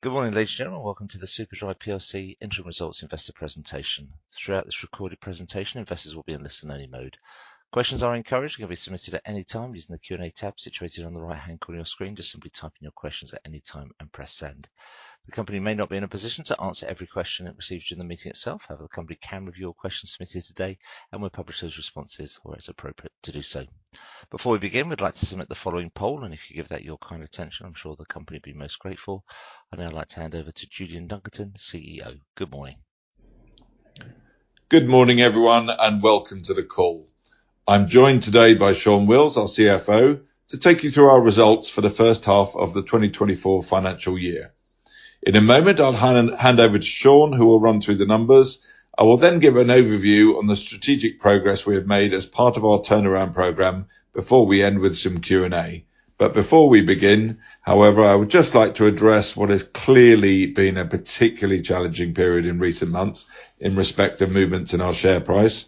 Good morning, ladies and gentlemen. Welcome to the Superdry PLC interim results investor presentation. Throughout this recorded presentation, investors will be in listen-only mode. Questions are encouraged and can be submitted at any time using the Q&A tab situated on the right-hand corner of your screen. Just simply type in your questions at any time and press send. The company may not be in a position to answer every question it receives during the meeting itself. However, the company can review all questions submitted today, and we'll publish those responses where it's appropriate to do so. Before we begin, we'd like to submit the following poll, and if you give that your kind attention, I'm sure the company will be most grateful. I'd now like to hand over to Julian Dunkerton, CEO. Good morning. Good morning, everyone, and welcome to the call. I'm joined today by Shaun Wills, our CFO, to take you through our results for the first half of the 2024 financial year. In a moment, I'll hand over to Shaun, who will run through the numbers. I will then give an overview on the strategic progress we have made as part of our turnaround program before we end with some Q&A. Before we begin, however, I would just like to address what has clearly been a particularly challenging period in recent months in respect of movements in our share price.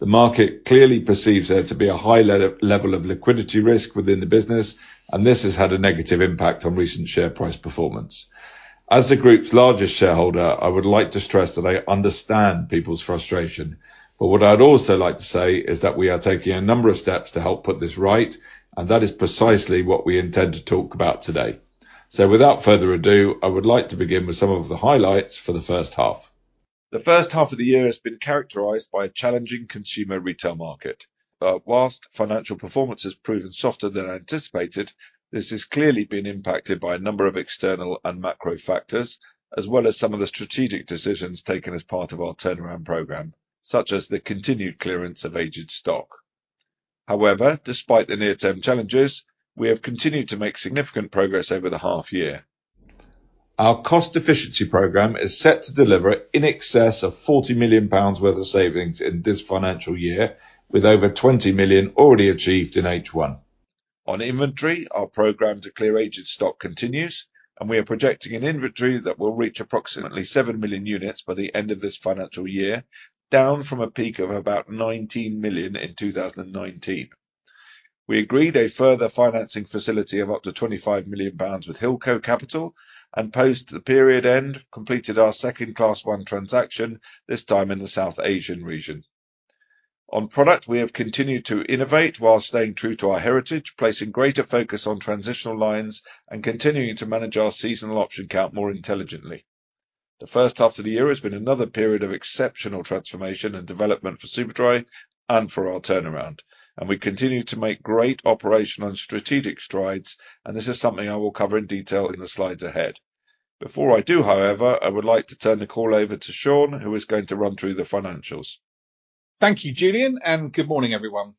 The market clearly perceives there to be a high level of liquidity risk within the business, and this has had a negative impact on recent share price performance. As the group's largest shareholder, I would like to stress that I understand people's frustration, but what I'd also like to say is that we are taking a number of steps to help put this right, and that is precisely what we intend to talk about today. So without further ado, I would like to begin with some of the highlights for the first half. The first half of the year has been characterized by a challenging consumer retail market, but whilst financial performance has proven softer than anticipated, this has clearly been impacted by a number of external and macro factors, as well as some of the strategic decisions taken as part of our turnaround program, such as the continued clearance of aged stock. However, despite the near-term challenges, we have continued to make significant progress over the half year. Our cost efficiency program is set to deliver in excess of 40 million pounds worth of savings in this financial year, with over 20 million already achieved in H1. On inventory, our program to clear aged stock continues, and we are projecting an inventory that will reach approximately 7 million units by the end of this financial year, down from a peak of about 19 million in 2019. We agreed a further financing facility of up to 25 million pounds with Hilco Capital, and post the period end, completed our second Class 1 transaction, this time in the South Asian region. On product, we have continued to innovate while staying true to our heritage, placing greater focus on transitional lines and continuing to manage our seasonal option count more intelligently. The first half of the year has been another period of exceptional transformation and development for Superdry and for our turnaround, and we continue to make great operational and strategic strides, and this is something I will cover in detail in the slides ahead. Before I do, however, I would like to turn the call over to Shaun, who is going to run through the financials. Thank you, Julian, and good morning, everyone.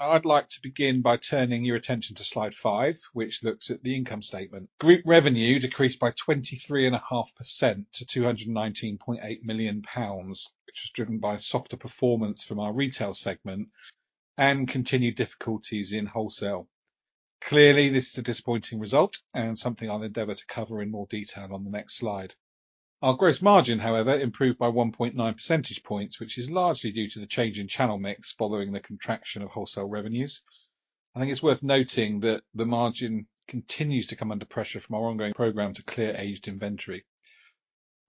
I'd like to begin by turning your attention to slide 5, which looks at the income statement. Group revenue decreased by 23.5% to 219.8 million pounds, which was driven by softer performance from our retail segment and continued difficulties in wholesale. Clearly, this is a disappointing result and something I'll endeavor to cover in more detail on the next slide. Our gross margin, however, improved by 1.9 percentage points, which is largely due to the change in channel mix following the contraction of wholesale revenues. I think it's worth noting that the margin continues to come under pressure from our ongoing program to clear aged inventory.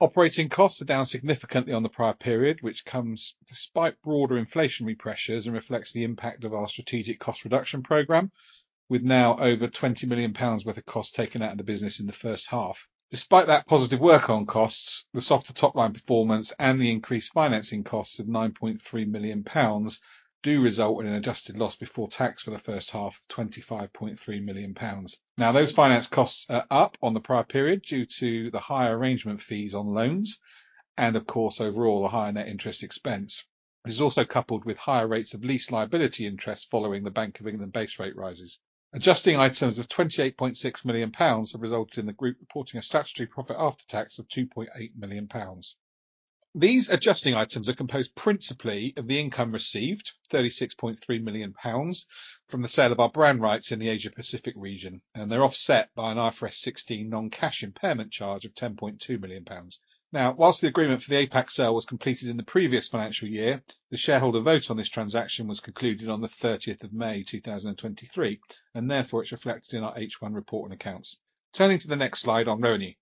Operating costs are down significantly on the prior period, which comes despite broader inflationary pressures and reflects the impact of our strategic cost reduction program, with now over 20 million pounds worth of costs taken out of the business in the first half. Despite that positive work on costs, the softer top-line performance and the increased financing costs of 9.3 million pounds do result in an adjusted loss before tax for the first half of 25.3 million pounds. Now, those finance costs are up on the prior period due to the higher arrangement fees on loans and, of course, overall, the higher net interest expense. It is also coupled with higher rates of lease liability interest following the Bank of England base rate rises. Adjusting items of 28.6 million pounds have resulted in the group reporting a statutory profit after tax of 2.8 million pounds. These adjusting items are composed principally of the income received, 36.3 million pounds, from the sale of our brand rights in the Asia Pacific region, and they're offset by an IFRS 16 non-cash impairment charge of 10.2 million pounds. Now, while the agreement for the APAC sale was completed in the previous financial year, the shareholder vote on this transaction was concluded on the 30th of May, 2023, and therefore, it's reflected in our H1 report and accounts. Turning to the next slide on revenue.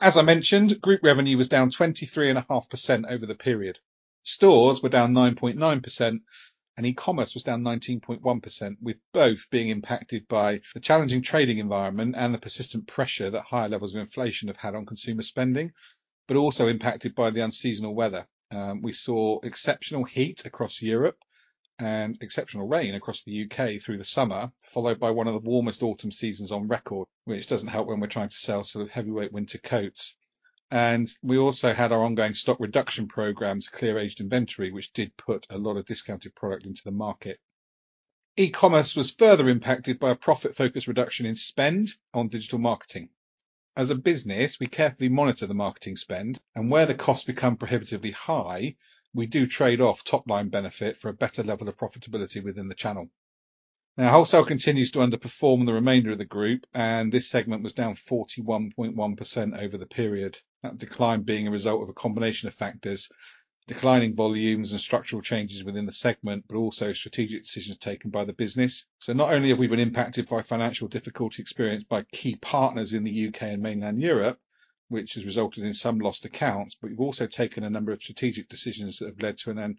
As I mentioned, group revenue was down 23.5% over the period. Stores were down 9.9%, and E-commerce was down 19.1%, with both being impacted by the challenging trading environment and the persistent pressure that higher levels of inflation have had on consumer spending, but also impacted by the unseasonal weather. We saw exceptional heat across Europe and exceptional rain across the UK through the summer, followed by one of the warmest autumn seasons on record, which doesn't help when we're trying to sell sort of heavyweight winter coats. We also had our ongoing stock reduction program to clear aged inventory, which did put a lot of discounted product into the market. E-commerce was further impacted by a profit-focused reduction in spend on digital marketing. As a business, we carefully monitor the marketing spend, and where the costs become prohibitively high, we do trade off top-line benefit for a better level of profitability within the channel.... Now, wholesale continues to underperform the remainder of the group, and this segment was down 41.1% over the period. That decline being a result of a combination of factors, declining volumes and structural changes within the segment, but also strategic decisions taken by the business. So not only have we been impacted by financial difficulty experienced by key partners in the U.K. and mainland Europe, which has resulted in some lost accounts, but we've also taken a number of strategic decisions that have led to an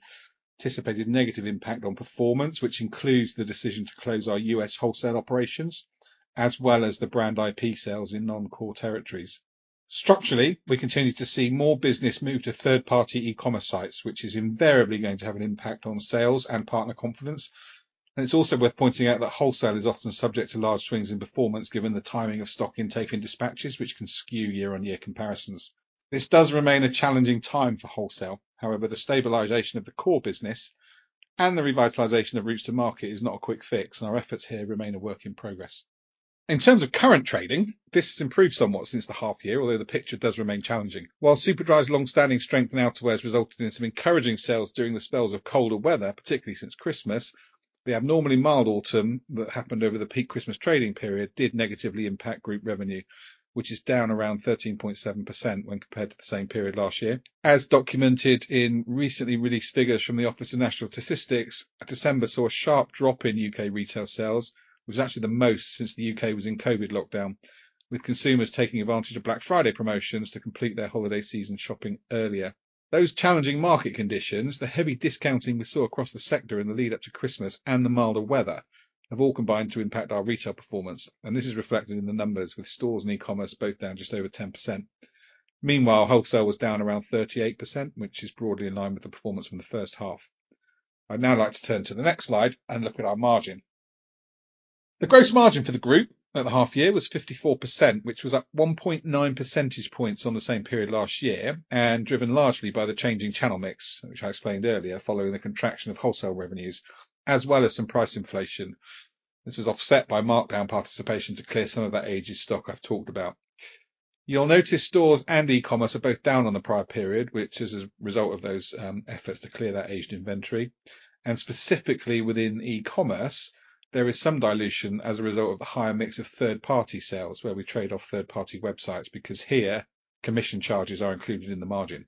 anticipated negative impact on performance, which includes the decision to close our U.S. wholesale operations, as well as the brand IP sales in non-core territories. Structurally, we continue to see more business move to third-party e-commerce sites, which is invariably going to have an impact on sales and partner confidence. It's also worth pointing out that wholesale is often subject to large swings in performance, given the timing of stock intake and dispatches, which can skew year-on-year comparisons. This does remain a challenging time for wholesale. However, the stabilization of the core business and the revitalization of routes to market is not a quick fix, and our efforts here remain a work in progress. In terms of current trading, this has improved somewhat since the half year, although the picture does remain challenging. While Superdry's longstanding strength in outerwear has resulted in some encouraging sales during the spells of colder weather, particularly since Christmas, the abnormally mild autumn that happened over the peak Christmas trading period did negatively impact group revenue, which is down around 13.7% when compared to the same period last year. As documented in recently released figures from the Office for National Statistics, December saw a sharp drop in UK retail sales, which was actually the most since the UK was in COVID lockdown, with consumers taking advantage of Black Friday promotions to complete their holiday season shopping earlier. Those challenging market conditions, the heavy discounting we saw across the sector in the lead-up to Christmas, and the milder weather, have all combined to impact our retail performance, and this is reflected in the numbers, with stores and e-commerce both down just over 10%. Meanwhile, wholesale was down around 38%, which is broadly in line with the performance from the first half. I'd now like to turn to the next slide and look at our margin. The gross margin for the group at the half year was 54%, which was up 1.9 percentage points on the same period last year, and driven largely by the changing channel mix, which I explained earlier, following the contraction of wholesale revenues, as well as some price inflation. This was offset by markdown participation to clear some of that aged stock I've talked about. You'll notice stores and e-commerce are both down on the prior period, which is a result of those efforts to clear that aged inventory. Specifically within e-commerce, there is some dilution as a result of the higher mix of third-party sales, where we trade off third-party websites, because here, commission charges are included in the margin.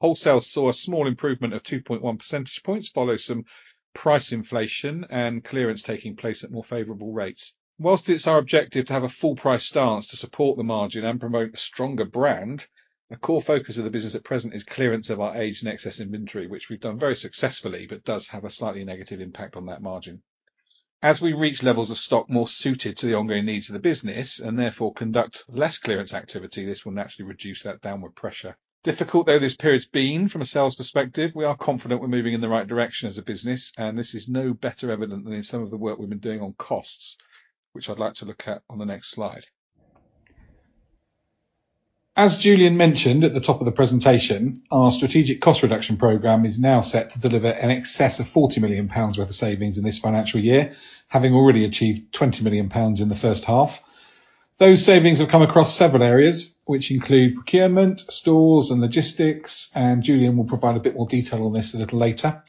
Wholesale saw a small improvement of 2.1 percentage points, following some price inflation and clearance taking place at more favorable rates. While it's our objective to have a full price stance to support the margin and promote a stronger brand, a core focus of the business at present is clearance of our aged and excess inventory, which we've done very successfully, but does have a slightly negative impact on that margin. As we reach levels of stock more suited to the ongoing needs of the business, and therefore conduct less clearance activity, this will naturally reduce that downward pressure. Difficult though this period's been from a sales perspective, we are confident we're moving in the right direction as a business, and this is no better evident than in some of the work we've been doing on costs, which I'd like to look at on the next slide. As Julian mentioned at the top of the presentation, our strategic cost reduction program is now set to deliver in excess of 40 million pounds worth of savings in this financial year, having already achieved 20 million pounds in the first half. Those savings have come across several areas, which include procurement, stores, and logistics, and Julian will provide a bit more detail on this a little later.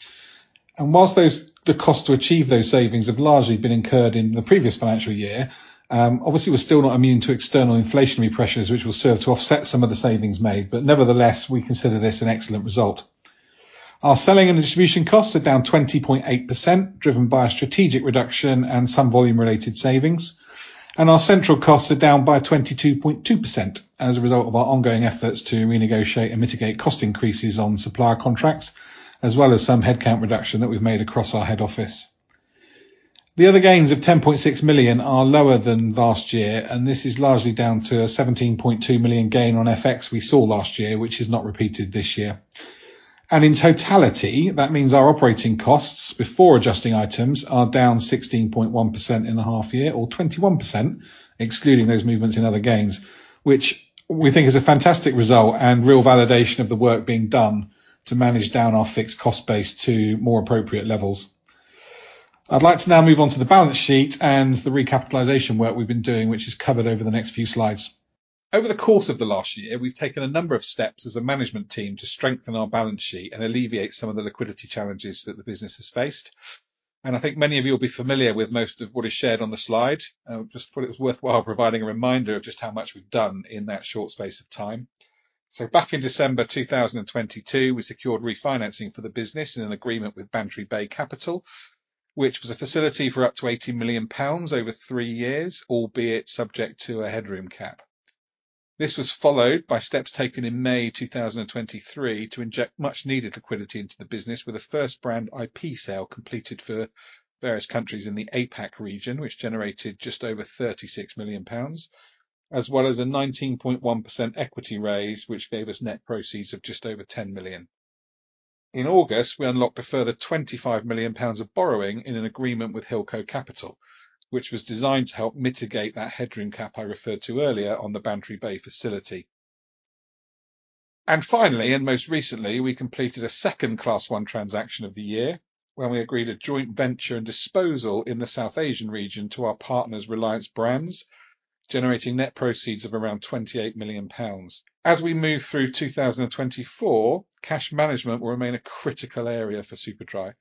While those, the cost to achieve those savings have largely been incurred in the previous financial year, obviously, we're still not immune to external inflationary pressures, which will serve to offset some of the savings made, but nevertheless, we consider this an excellent result. Our selling and distribution costs are down 20.8%, driven by a strategic reduction and some volume-related savings, and our central costs are down by 22.2% as a result of our ongoing efforts to renegotiate and mitigate cost increases on supplier contracts, as well as some headcount reduction that we've made across our head office. The other gains of 10.6 million are lower than last year, and this is largely down to a 17.2 million gain on FX we saw last year, which is not repeated this year. In totality, that means our operating costs before adjusting items are down 16.1% in the half year, or 21%, excluding those movements in other gains, which we think is a fantastic result and real validation of the work being done to manage down our fixed cost base to more appropriate levels. I'd like to now move on to the balance sheet and the recapitalization work we've been doing, which is covered over the next few slides. Over the course of the last year, we've taken a number of steps as a management team to strengthen our balance sheet and alleviate some of the liquidity challenges that the business has faced. I think many of you will be familiar with most of what is shared on the slide. I just thought it was worthwhile providing a reminder of just how much we've done in that short space of time. Back in December 2022, we secured refinancing for the business in an agreement with Bantry Bay Capital, which was a facility for up to 80 million pounds over three years, albeit subject to a headroom cap. This was followed by steps taken in May 2023 to inject much needed liquidity into the business with a first brand IP sale completed for various countries in the APAC region, which generated just over 36 million pounds, as well as a 19.1% equity raise, which gave us net proceeds of just over 10 million. In August, we unlocked a further 25 million pounds of borrowing in an agreement with Hilco Capital, which was designed to help mitigate that headroom cap I referred to earlier on the Bantry Bay Capital facility. And finally, and most recently, we completed a second Class 1 transaction of the year, when we agreed a joint venture and disposal in the South Asian region to our partners, Reliance Brands, generating net proceeds of around 28 million pounds. As we move through 2024, cash management will remain a critical area for Superdry.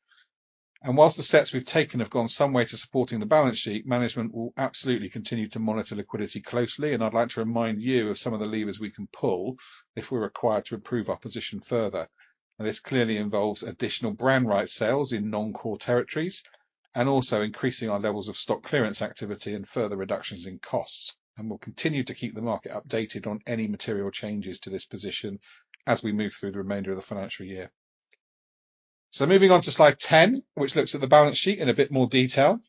And while the steps we've taken have gone some way to supporting the balance sheet, management will absolutely continue to monitor liquidity closely, and I'd like to remind you of some of the levers we can pull if we're required to improve our position further. This clearly involves additional brand right sales in non-core territories, and also increasing our levels of stock clearance activity and further reductions in costs. We'll continue to keep the market updated on any material changes to this position as we move through the remainder of the financial year. Moving on to slide 10, which looks at the balance sheet in a bit more detail.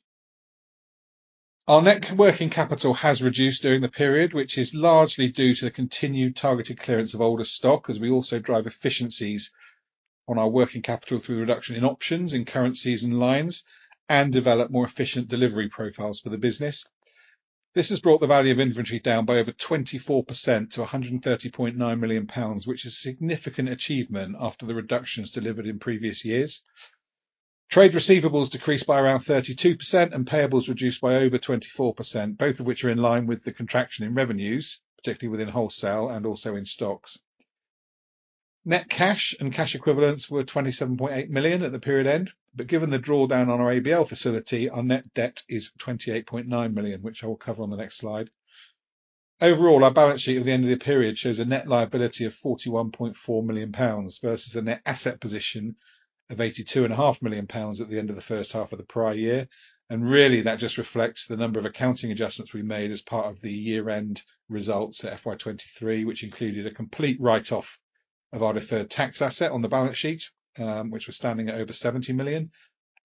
Our net working capital has reduced during the period, which is largely due to the continued targeted clearance of older stock, as we also drive efficiencies on our working capital through reduction in options, in currencies, and lines, and develop more efficient delivery profiles for the business. This has brought the value of inventory down by over 24% to 130.9 million pounds, which is a significant achievement after the reductions delivered in previous years. Trade receivables decreased by around 32% and payables reduced by over 24%, both of which are in line with the contraction in revenues, particularly within wholesale and also in stocks. Net cash and cash equivalents were 27.8 million at the period end, but given the drawdown on our ABL facility, our net debt is 28.9 million, which I will cover on the next slide. Overall, our balance sheet at the end of the period shows a net liability of 41.4 million pounds versus a net asset position of 82.5 million pounds at the end of the first half of the prior year. Really, that just reflects the number of accounting adjustments we made as part of the year-end results at FY 2023, which included a complete write-off of our deferred tax asset on the balance sheet, which was standing at over 70 million,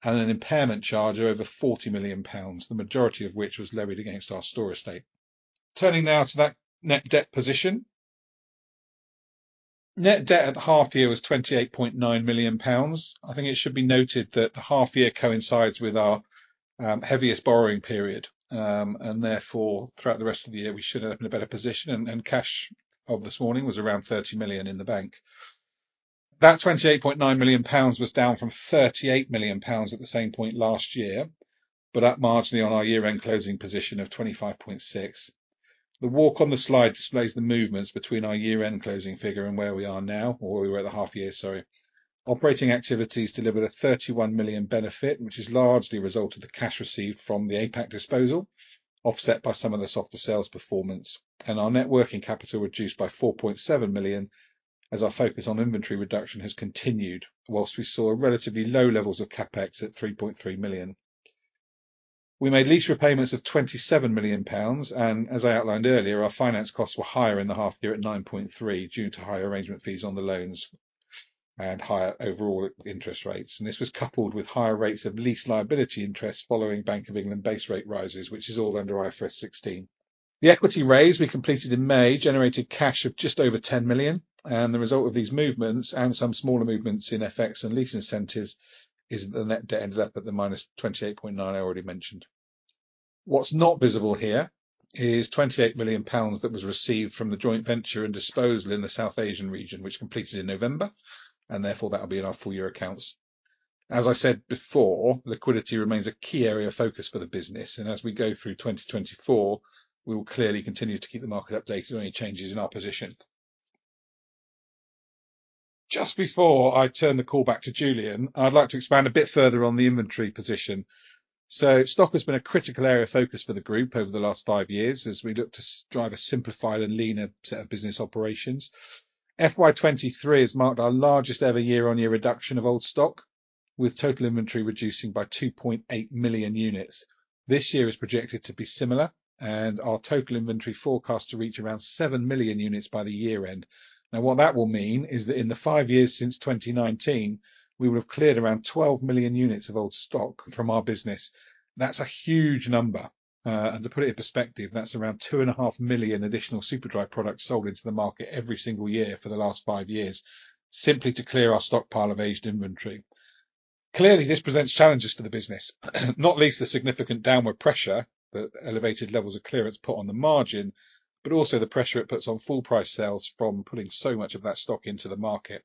and an impairment charge of over 40 million pounds, the majority of which was levied against our store estate. Turning now to that net debt position. Net debt at half year was 28.9 million pounds. I think it should be noted that the half year coincides with our heaviest borrowing period, and therefore, throughout the rest of the year, we should have in a better position, and, and cash of this morning was around 30 million in the bank. That 28.9 million pounds was down from 38 million pounds at the same point last year, but up marginally on our year-end closing position of 25.6 million. The walk on the slide displays the movements between our year-end closing figure and where we are now, or where we were at the half year, sorry. Operating activities delivered a 31 million benefit, which is largely a result of the cash received from the APAC disposal, offset by some of the softer sales performance. Our net working capital reduced by 4.7 million, as our focus on inventory reduction has continued, whilst we saw relatively low levels of CapEx at 3.3 million. We made lease repayments of 27 million pounds, and as I outlined earlier, our finance costs were higher in the half year at 9.3 million due to higher arrangement fees on the loans and higher overall interest rates. And this was coupled with higher rates of lease liability interest following Bank of England base rate rises, which is all under IFRS 16. The equity raise we completed in May generated cash of just over 10 million, and the result of these movements, and some smaller movements in FX and lease incentives, is the net debt ended up at -28.9 million I already mentioned. What's not visible here is 28 million pounds that was received from the joint venture and disposal in South Asia, which completed in November, and therefore, that'll be in our full year accounts. As I said before, liquidity remains a key area of focus for the business, and as we go through 2024, we will clearly continue to keep the market updated on any changes in our position. Just before I turn the call back to Julian, I'd like to expand a bit further on the inventory position. So stock has been a critical area of focus for the group over the last 5 years as we look to drive a simplified and leaner set of business operations. FY 2023 has marked our largest ever year-on-year reduction of old stock, with total inventory reducing by 2.8 million units. This year is projected to be similar, and our total inventory forecast to reach around 7 million units by the year end. Now, what that will mean is that in the five years since 2019, we will have cleared around 12 million units of old stock from our business. That's a huge number. And to put it in perspective, that's around 2.5 million additional Superdry products sold into the market every single year for the last five years, simply to clear our stockpile of aged inventory. Clearly, this presents challenges for the business, not least the significant downward pressure that elevated levels of clearance put on the margin, but also the pressure it puts on full price sales from putting so much of that stock into the market.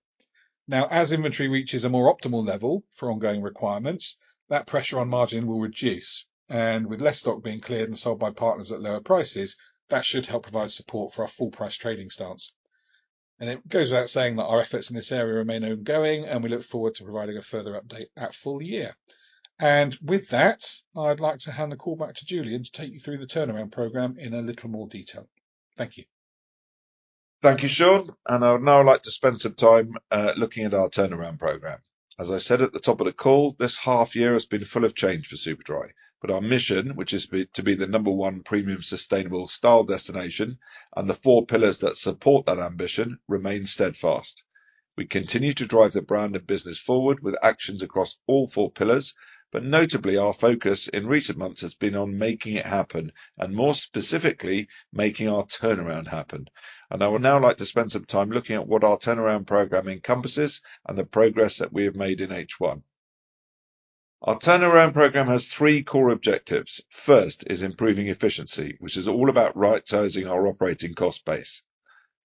Now, as inventory reaches a more optimal level for ongoing requirements, that pressure on margin will reduce, and with less stock being cleared and sold by partners at lower prices, that should help provide support for our full price trading stance. It goes without saying that our efforts in this area remain ongoing, and we look forward to providing a further update at full year. With that, I'd like to hand the call back to Julian to take you through the turnaround program in a little more detail. Thank you. Thank you, Shaun, and I would now like to spend some time looking at our turnaround program. As I said at the top of the call, this half year has been full of change for Superdry, but our mission, which is to be the number one premium, sustainable style destination and the four pillars that support that ambition remain steadfast. We continue to drive the brand and business forward with actions across all four pillars, but notably, our focus in recent months has been on making it happen and, more specifically, making our turnaround happen. I would now like to spend some time looking at what our turnaround program encompasses and the progress that we have made in H1. Our turnaround program has three core objectives. First, is improving efficiency, which is all about right-sizing our operating cost base.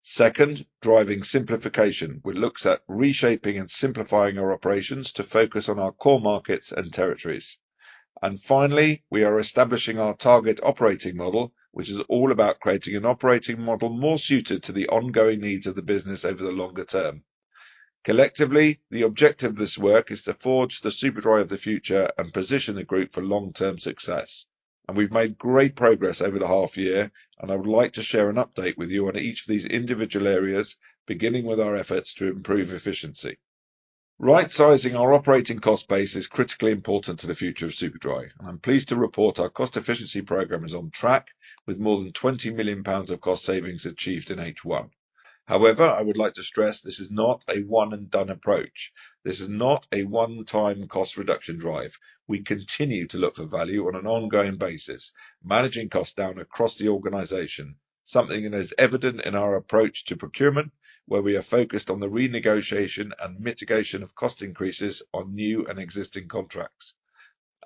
Second, driving simplification, which looks at reshaping and simplifying our operations to focus on our core markets and territories. And finally, we are establishing our target operating model, which is all about creating an operating model more suited to the ongoing needs of the business over the longer term. Collectively, the objective of this work is to forge the Superdry of the future and position the group for long-term success. And we've made great progress over the half year, and I would like to share an update with you on each of these individual areas, beginning with our efforts to improve efficiency. Rightsizing our operating cost base is critically important to the future of Superdry. I'm pleased to report our cost efficiency program is on track, with more than 20 million pounds of cost savings achieved in H1. However, I would like to stress this is not a one-and-done approach. This is not a one-time cost reduction drive. We continue to look for value on an ongoing basis, managing costs down across the organization, something that is evident in our approach to procurement, where we are focused on the renegotiation and mitigation of cost increases on new and existing contracts.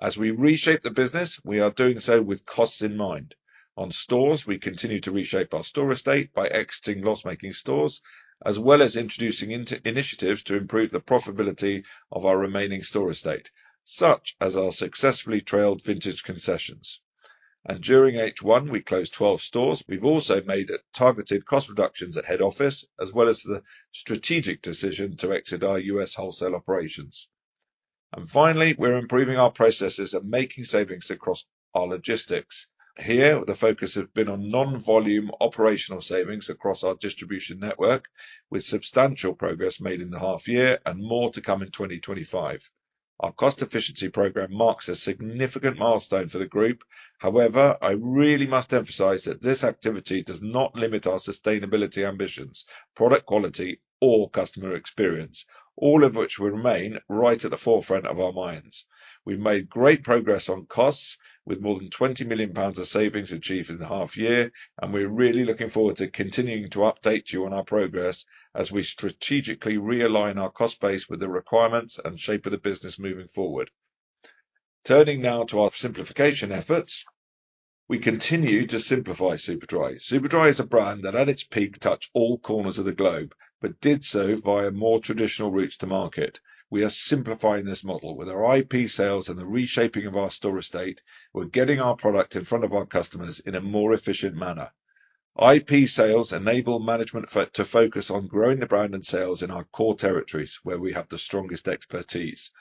As we reshape the business, we are doing so with costs in mind. On stores, we continue to reshape our store estate by exiting loss-making stores, as well as introducing initiatives to improve the profitability of our remaining store estate, such as our successfully trialed vintage concessions. During H1, we closed 12 stores. We've also made targeted cost reductions at head office, as well as the strategic decision to exit our U.S. wholesale operations. Finally, we're improving our processes and making savings across our logistics. Here, the focus has been on non-volume operational savings across our distribution network, with substantial progress made in the half year and more to come in 2025. Our cost efficiency program marks a significant milestone for the group. However, I really must emphasize that this activity does not limit our sustainability ambitions, product quality, or customer experience, all of which will remain right at the forefront of our minds. We've made great progress on costs, with more than 20 million pounds of savings achieved in the half year, and we're really looking forward to continuing to update you on our progress as we strategically realign our cost base with the requirements and shape of the business moving forward. Turning now to our simplification efforts, we continue to simplify Superdry. Superdry is a brand that, at its peak, touched all corners of the globe, but did so via more traditional routes to market. We are simplifying this model. With our IP sales and the reshaping of our store estate, we're getting our product in front of our customers in a more efficient manner. IP sales enable management to focus on growing the brand and sales in our core territories, where we have the strongest expertise,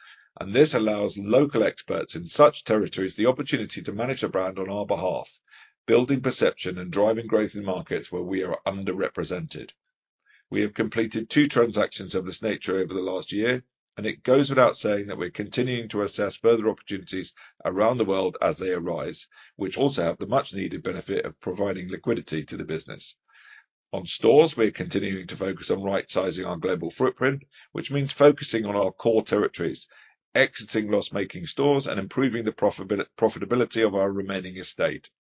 and this allows local experts in such territories the opportunity to manage the brand on our behalf, building perception and driving growth in markets where we are underrepresented. We have completed two transactions of this nature over the last year, and it goes without saying that we're continuing to assess further opportunities around the world as they arise, which also have the much-needed benefit of providing liquidity to the business. On stores, we're continuing to focus on right sizing our global footprint, which means focusing on our core territories, exiting loss-making stores, and improving the profitability of our remaining estate.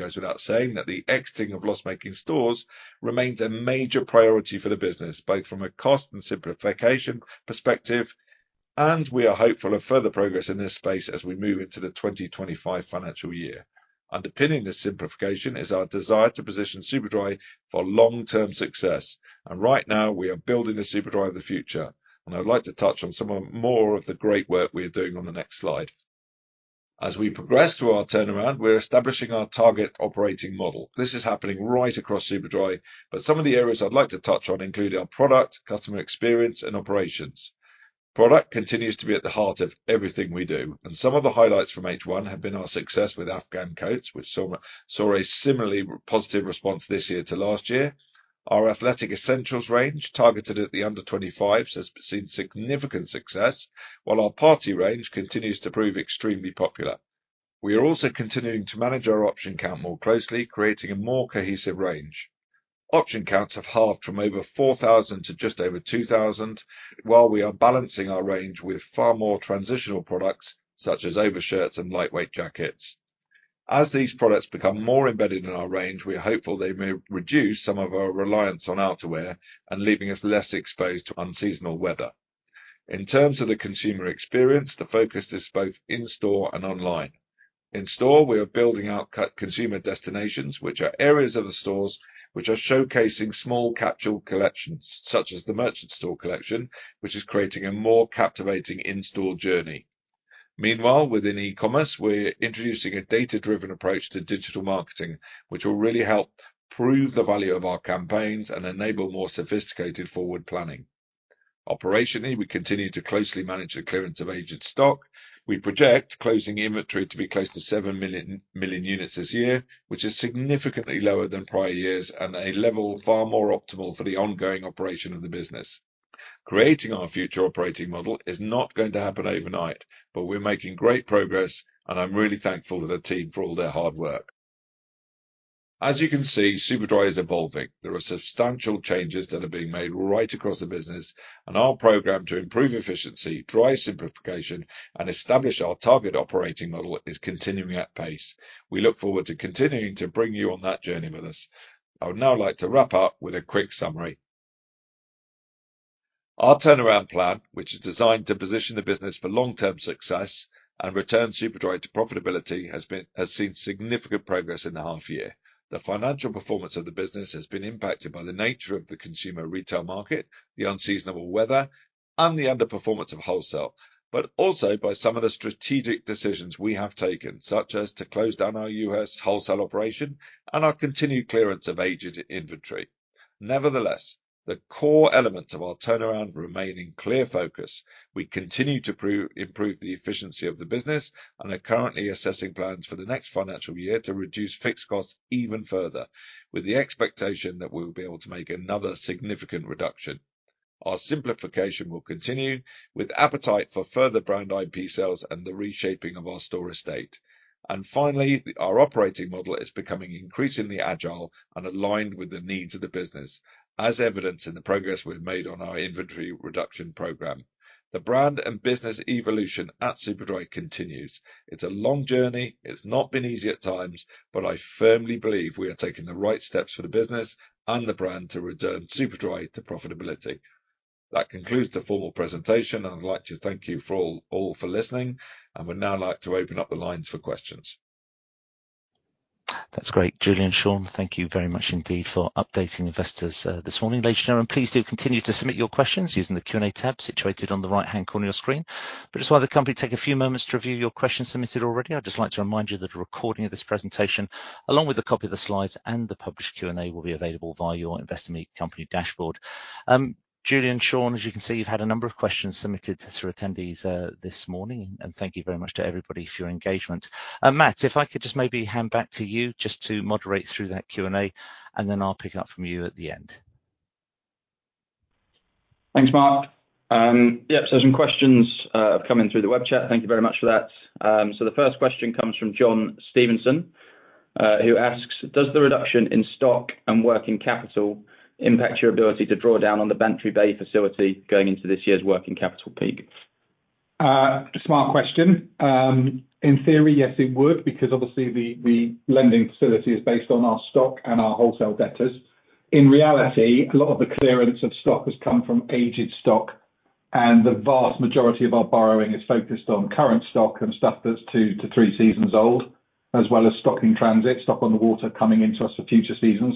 It goes without saying that the exiting of loss-making stores remains a major priority for the business, both from a cost and simplification perspective, and we are hopeful of further progress in this space as we move into the 2025 financial year. Underpinning this simplification is our desire to position Superdry for long-term success, and right now we are building a Superdry of the future, and I would like to touch on some of more of the great work we are doing on the next slide. As we progress through our turnaround, we're establishing our target operating model. This is happening right across Superdry, but some of the areas I'd like to touch on include our product, customer experience, and operations. Product continues to be at the heart of everything we do, and some of the highlights from H1 have been our success with Afghan coats, which saw a similarly positive response this year to last year. Our Athletic Essentials range, targeted at the under 25s, has seen significant success, while our party range continues to prove extremely popular. We are also continuing to manage our option count more closely, creating a more cohesive range. Option counts have halved from over 4,000 to just over 2,000, while we are balancing our range with far more transitional products, such as overshirts and lightweight jackets. As these products become more embedded in our range, we are hopeful they may reduce some of our reliance on outerwear and leaving us less exposed to unseasonal weather. In terms of the consumer experience, the focus is both in-store and online. In-store, we are building out curated consumer destinations, which are areas of the stores which are showcasing small capsule collections, such as the Merchant Store collection, which is creating a more captivating in-store journey. Meanwhile, within e-commerce, we're introducing a data-driven approach to digital marketing, which will really help prove the value of our campaigns and enable more sophisticated forward planning. Operationally, we continue to closely manage the clearance of aged stock. We project closing inventory to be close to 7 million units this year, which is significantly lower than prior years and a level far more optimal for the ongoing operation of the business. Creating our future operating model is not going to happen overnight, but we're making great progress, and I'm really thankful to the team for all their hard work. As you can see, Superdry is evolving. There are substantial changes that are being made right across the business, and our program to improve efficiency, drive simplification, and establish our target operating model is continuing at pace. We look forward to continuing to bring you on that journey with us. I would now like to wrap up with a quick summary. Our turnaround plan, which is designed to position the business for long-term success and return Superdry to profitability, has seen significant progress in the half year. The financial performance of the business has been impacted by the nature of the consumer retail market, the unseasonable weather, and the underperformance of wholesale, but also by some of the strategic decisions we have taken, such as to close down our U.S. wholesale operation and our continued clearance of aged inventory. Nevertheless, the core elements of our turnaround remain in clear focus. We continue to improve the efficiency of the business, and are currently assessing plans for the next financial year to reduce fixed costs even further, with the expectation that we'll be able to make another significant reduction. Our simplification will continue, with appetite for further brand IP sales and the reshaping of our store estate. And finally, our operating model is becoming increasingly agile and aligned with the needs of the business, as evidenced in the progress we've made on our inventory reduction program. The brand and business evolution at Superdry continues. It's a long journey, it's not been easy at times, but I firmly believe we are taking the right steps for the business and the brand to return Superdry to profitability. That concludes the formal presentation, and I'd like to thank you all for listening, and would now like to open up the lines for questions. That's great. Julian, Shaun, thank you very much indeed for updating investors this morning. Ladies and gentlemen, please do continue to submit your questions using the Q&A tab situated on the right-hand corner of your screen. But just while the company take a few moments to review your questions submitted already, I'd just like to remind you that a recording of this presentation, along with a copy of the slides and the published Q&A, will be available via your Investor Meet Company dashboard. Julian, Shaun, as you can see, you've had a number of questions submitted through attendees this morning, and thank you very much to everybody for your engagement. Matt, if I could just maybe hand back to you just to moderate through that Q&A, and then I'll pick up from you at the end. Thanks, Mark. Yep, so some questions have come in through the web chat. Thank you very much for that. So the first question comes from John Stevenson, who asks: Does the reduction in stock and working capital impact your ability to draw down on the Bantry Bay facility going into this year's working capital peak? Smart question. In theory, yes, it would, because obviously the lending facility is based on our stock and our wholesale debtors. In reality, a lot of the clearance of stock has come from aged stock, and the vast majority of our borrowing is focused on current stock and stuff that's two to three seasons old, as well as stock in transit, stock on the water coming into us for future seasons.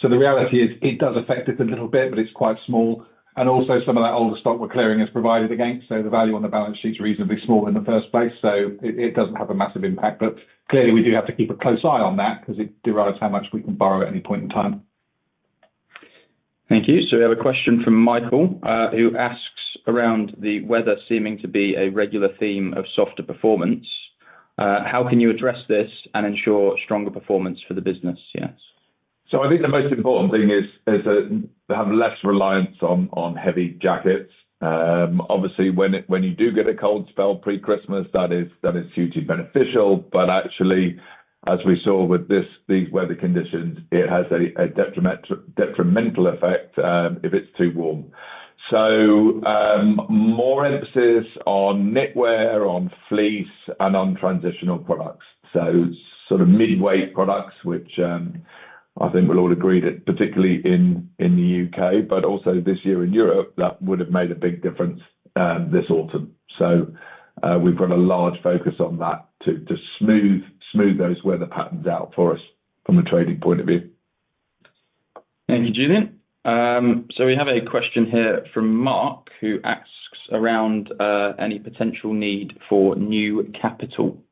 So the reality is, it does affect us a little bit, but it's quite small, and also some of that older stock we're clearing has provided against, so the value on the balance sheet is reasonably small in the first place, so it doesn't have a massive impact. But clearly, we do have to keep a close eye on that, 'cause it derives how much we can borrow at any point in time. Thank you. So we have a question from Michael, who asks around the weather seeming to be a regular theme of softer performance, "How can you address this and ensure stronger performance for the business this year? So I think the most important thing is that they have less reliance on heavy jackets. Obviously, when you do get a cold spell pre-Christmas, that is hugely beneficial, but actually, as we saw with these weather conditions, it has a detrimental effect if it's too warm. So more emphasis on knitwear, on fleece, and on transitional products. So sort of mid-weight products, which I think we'll all agree that particularly in the U.K., but also this year in Europe, that would have made a big difference this autumn. So we've got a large focus on that to smooth those weather patterns out for us from a trading point of view. Thank you, Julian. So we have a question here from Mark, who asks around any potential need for new capital.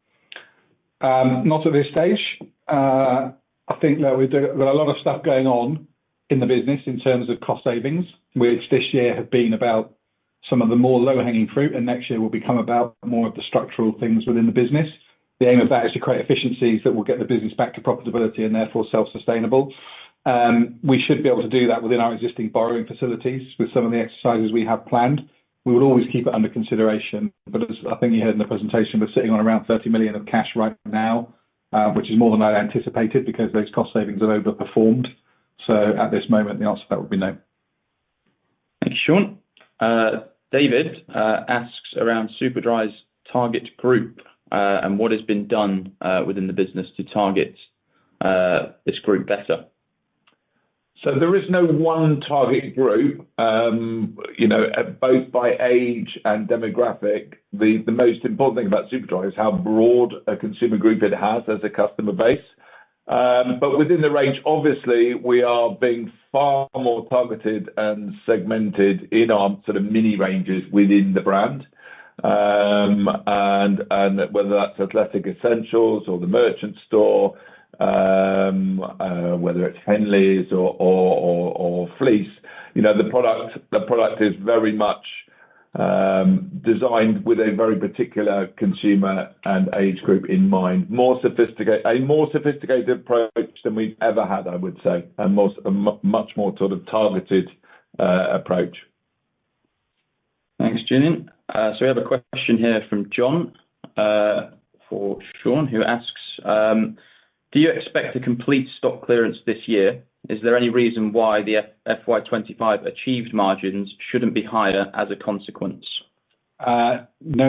Not at this stage. I think that we've got a lot of stuff going on in the business in terms of cost savings, which this year have been about some of the more lower hanging fruit, and next year will become about more of the structural things within the business. The aim of that is to create efficiencies that will get the business back to profitability and therefore self-sustainable. We should be able to do that within our existing borrowing facilities with some of the exercises we have planned. We would always keep it under consideration, but as I think you heard in the presentation, we're sitting on around 30 million of cash right now, which is more than I anticipated, because those cost savings have overperformed. So at this moment, the answer to that would be no. Thank you, Shaun. David asks around Superdry's target group, and what has been done within the business to target this group better? So there is no one target group. You know, both by age and demographic, the most important thing about Superdry is how broad a consumer group it has as a customer base. But within the range, obviously, we are being far more targeted and segmented in our sort of mini ranges within the brand. And whether that's Athletic Essentials or the Merchant Store, whether it's Henleys or fleece, you know, the product is very much designed with a very particular consumer and age group in mind. A more sophisticated approach than we've ever had, I would say, and much more sort of targeted approach. Thanks, Julian. So we have a question here from John for Sean, who asks: Do you expect to complete stock clearance this year? Is there any reason why the FY, FY 25 achieved margins shouldn't be higher as a consequence?... No,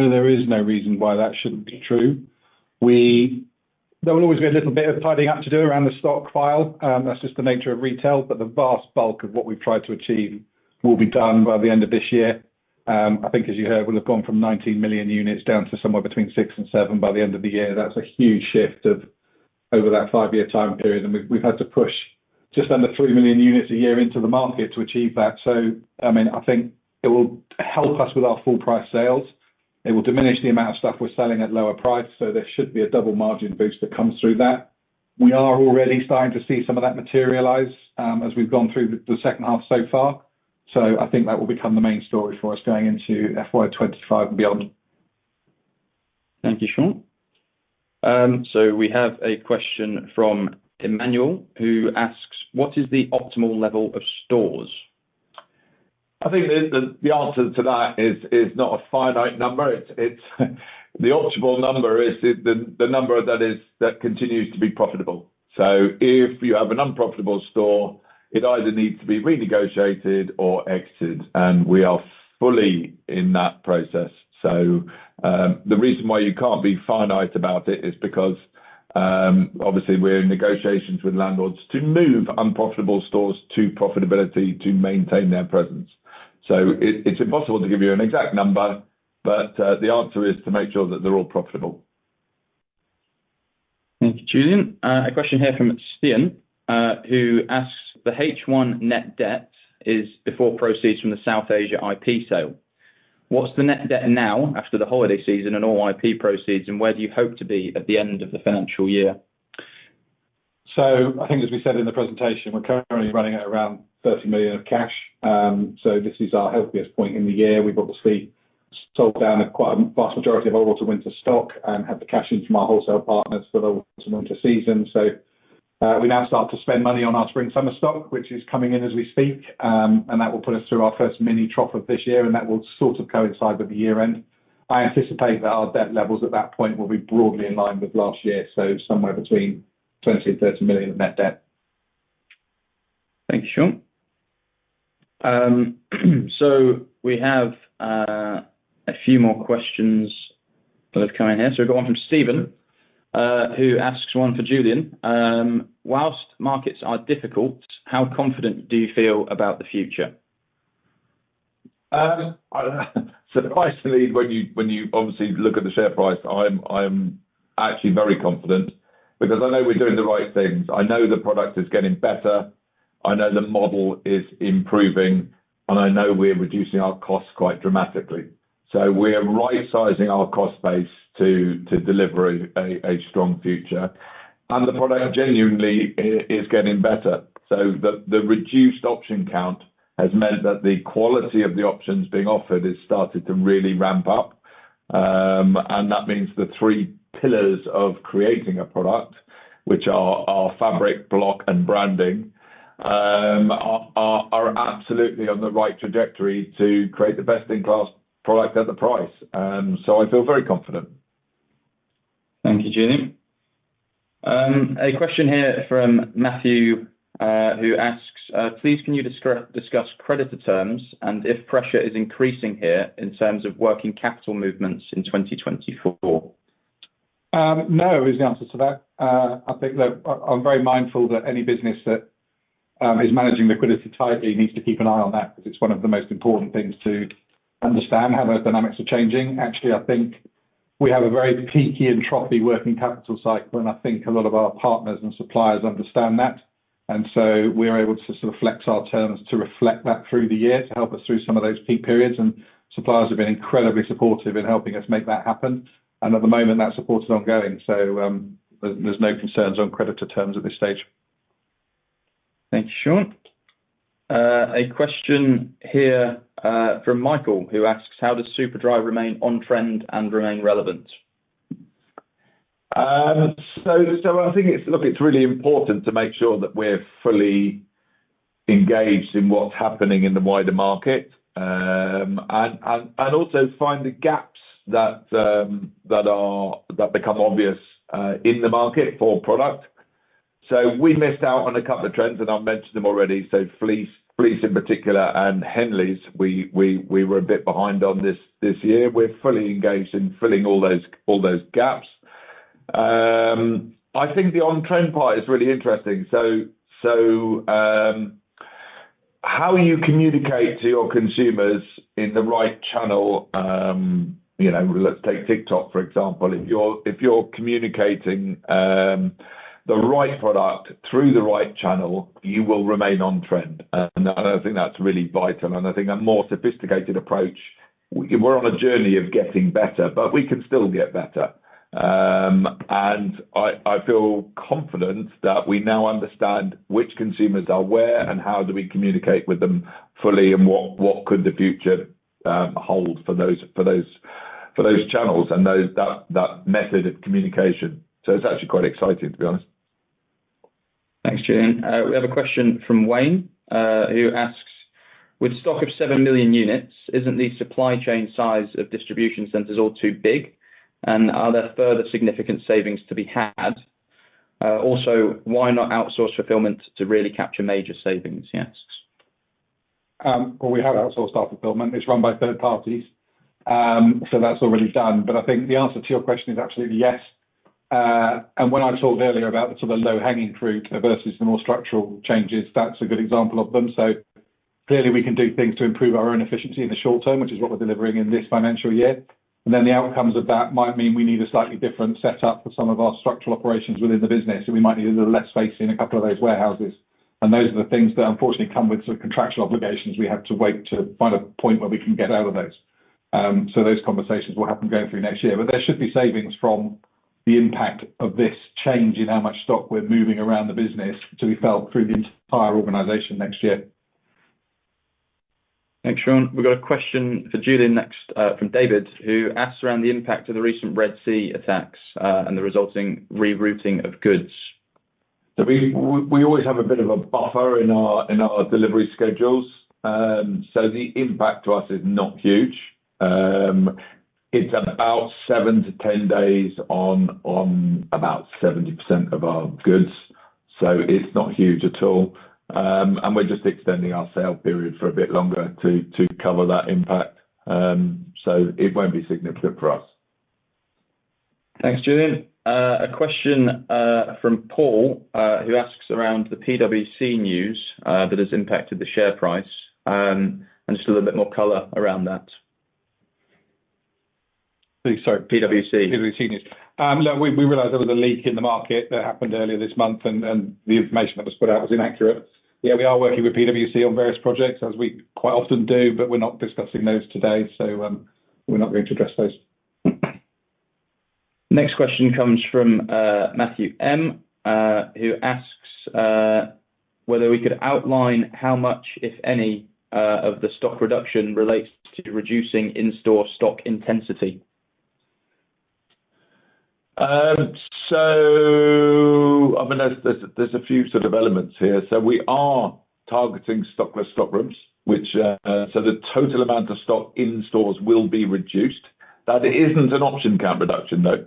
there is no reason why that shouldn't be true. We. There will always be a little bit of tidying up to do around the stock file, that's just the nature of retail, but the vast bulk of what we've tried to achieve will be done by the end of this year. I think as you heard, we'll have gone from 19 million units down to somewhere between 6 and 7 by the end of the year. That's a huge shift of, over that 5-year time period, and we've had to push just under 3 million units a year into the market to achieve that. So, I mean, I think it will help us with our full price sales. It will diminish the amount of stuff we're selling at lower price, so there should be a double margin boost that comes through that. We are already starting to see some of that materialize, as we've gone through the second half so far. So I think that will become the main story for us going into FY 25 and beyond. Thank you, Shaun. So we have a question from Emmanuel, who asks: What is the optimal level of stores? I think the answer to that is not a finite number. It's the optimal number is the number that continues to be profitable. So if you have an unprofitable store, it either needs to be renegotiated or exited, and we are fully in that process. So the reason why you can't be finite about it is because obviously, we're in negotiations with landlords to move unprofitable stores to profitability to maintain their presence. So it's impossible to give you an exact number, but the answer is to make sure that they're all profitable. Thank you, Julian. A question here from Sten, who asks: The H1 net debt is before proceeds from the South Asia IP sale. What's the net debt now, after the holiday season and all IP proceeds, and where do you hope to be at the end of the financial year? So I think, as we said in the presentation, we're currently running at around 30 million of cash. So this is our healthiest point in the year. We've obviously sold down quite a vast majority of our autumn, winter stock and had the cash in from our wholesale partners for the autumn, winter season. So, we now start to spend money on our spring, summer stock, which is coming in as we speak. And that will put us through our first mini trough of this year, and that will sort of coincide with the year end. I anticipate that our debt levels at that point will be broadly in line with last year, so somewhere between 20 million-30 million of net debt. Thank you, Shaun. So we have a few more questions that have come in here. So we've got one from Stephen, who asks one for Julian: While markets are difficult, how confident do you feel about the future? Surprisingly, when you obviously look at the share price, I'm actually very confident because I know we're doing the right things. I know the product is getting better, I know the model is improving, and I know we're reducing our costs quite dramatically. So we're right-sizing our cost base to deliver a strong future, and the product genuinely is getting better. So the reduced option count has meant that the quality of the options being offered has started to really ramp up. And that means the three pillars of creating a product, which are fabric, block, and branding, are absolutely on the right trajectory to create the best-in-class product at the price. So I feel very confident. Thank you, Julian. A question here from Matthew, who asks: Please, can you discuss creditor terms, and if pressure is increasing here in terms of working capital movements in 2024? No, is the answer to that. I think that I'm very mindful that any business that is managing liquidity tightly needs to keep an eye on that, because it's one of the most important things to understand how those dynamics are changing. Actually, I think we have a very peaky and troughy working capital cycle, and I think a lot of our partners and suppliers understand that. And so we're able to sort of flex our terms to reflect that through the year, to help us through some of those peak periods, and suppliers have been incredibly supportive in helping us make that happen. And at the moment, that support is ongoing, so, there's no concerns on creditor terms at this stage. Thank you, Shaun. A question here, from Michael, who asks: How does Superdry remain on trend and remain relevant? So I think it's... Look, it's really important to make sure that we're fully engaged in what's happening in the wider market, and also find the gaps that become obvious in the market for product. So we missed out on a couple of trends, and I've mentioned them already, so fleece, fleece in particular, and Henleys, we were a bit behind on this year. We're fully engaged in filling all those gaps. I think the on-trend part is really interesting. So how you communicate to your consumers in the right channel, you know, let's take TikTok, for example. If you're communicating the right product through the right channel, you will remain on trend, and I think that's really vital. I think a more sophisticated approach, we're on a journey of getting better, but we can still get better. And I feel confident that we now understand which consumers are where and how do we communicate with them fully, and what could the future hold for those channels and that method of communication. So it's actually quite exciting, to be honest. Thanks, Julian. We have a question from Wayne, who asks: With stock of 7 million units, isn't the supply chain size of distribution centers all too big? And are there further significant savings to be had? Also, why not outsource fulfillment to really capture major savings? Yes. Well, we have outsourced our fulfillment. It's run by third parties, so that's already done. But I think the answer to your question is absolutely yes. And when I talked earlier about the sort of low-hanging fruit versus the more structural changes, that's a good example of them. So clearly, we can do things to improve our own efficiency in the short term, which is what we're delivering in this financial year. And then the outcomes of that might mean we need a slightly different setup for some of our structural operations within the business, so we might need a little less space in a couple of those warehouses. And those are the things that unfortunately come with sort of contractual obligations. We have to wait to find a point where we can get out of those. Those conversations will happen going through next year, but there should be savings from the impact of this change in how much stock we're moving around the business to be felt through the entire organization next year. Thanks, Sean. We've got a question for Julian next, from David, who asks around the impact of the recent Red Sea attacks, and the resulting rerouting of goods. So we always have a bit of a buffer in our delivery schedules. So the impact to us is not huge. It's about 7-10 days on about 70% of our goods, so it's not huge at all. And we're just extending our sale period for a bit longer to cover that impact. So it won't be significant for us. Thanks, Julian. A question from Paul, who asks around the PwC news that has impacted the share price, and just a little bit more color around that. Sorry, PwC. PwC news. Look, we realize there was a leak in the market that happened earlier this month, and the information that was put out was inaccurate. Yeah, we are working with PwC on various projects, as we quite often do, but we're not discussing those today, so we're not going to address those. Next question comes from Matthew M, who asks whether we could outline how much, if any, of the stock reduction relates to reducing in-store stock intensity. So I mean, there's a few sort of elements here. So we are targeting stockless stock rooms, which so the total amount of stock in stores will be reduced. That isn't an option count reduction, though,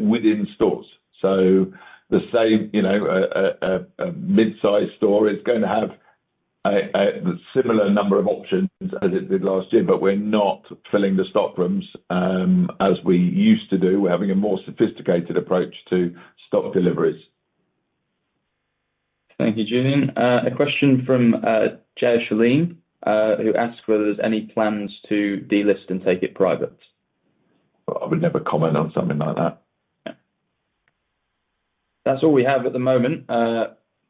within stores. So the same, you know, a mid-sized store is going to have a similar number of options as it did last year, but we're not filling the stock rooms, as we used to do. We're having a more sophisticated approach to stock deliveries. Thank you, Julian. A question from Jay Shaleen, who asks whether there's any plans to delist and take it private. I would never comment on something like that. Yeah. That's all we have at the moment.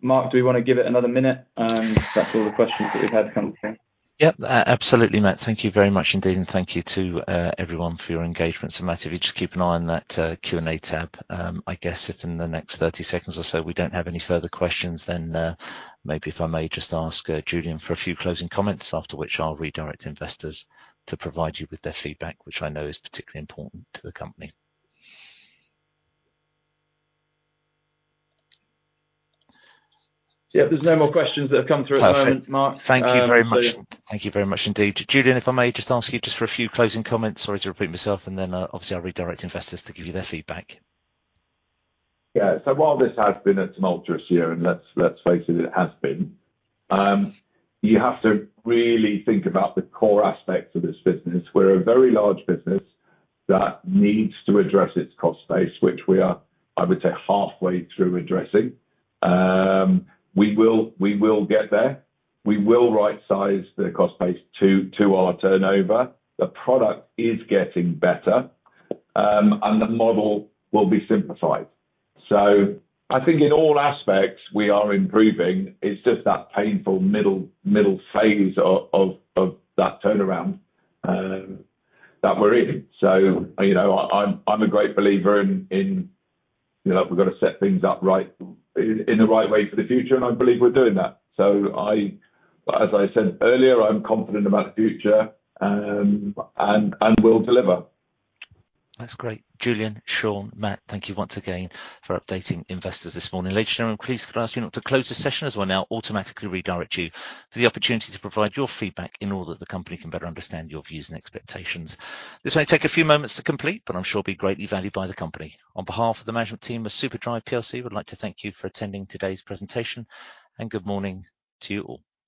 Mark, do you want to give it another minute? That's all the questions that we've had come through. Yep, absolutely, Matt. Thank you very much indeed, and thank you to everyone for your engagement. So Matt, if you just keep an eye on that, Q&A tab, I guess if in the next 30 seconds or so, we don't have any further questions, then, maybe if I may just ask, Julian, for a few closing comments, after which I'll redirect investors to provide you with their feedback, which I know is particularly important to the company. Yeah, there's no more questions that have come through at the moment, Mark. Thank you very much. Thank you very much indeed. Julian, if I may just ask you just for a few closing comments. Sorry to repeat myself, and then, obviously, I'll redirect investors to give you their feedback. Yeah. So while this has been a tumultuous year, and let's, let's face it, it has been, you have to really think about the core aspects of this business. We're a very large business that needs to address its cost base, which we are, I would say, halfway through addressing. We will, we will get there. We will rightsize the cost base to, to our turnover. The product is getting better, and the model will be simplified. So I think in all aspects, we are improving. It's just that painful middle, middle phase of, of, of that turnaround, that we're in. So, you know, I'm, I'm a great believer in, in, you know, we've got to set things up right, in the right way for the future, and I believe we're doing that. So, as I said earlier, I'm confident about the future, and we'll deliver. That's great. Julian, Shaun, Matt, thank you once again for updating investors this morning. Ladies and gentlemen, please could I ask you now to close the session, as we'll now automatically redirect you to the opportunity to provide your feedback in order that the company can better understand your views and expectations. This may take a few moments to complete, but I'm sure will be greatly valued by the company. On behalf of the management team of Superdry Plc, we'd like to thank you for attending today's presentation, and good morning to you all.